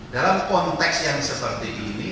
dalam konteks yang seperti ini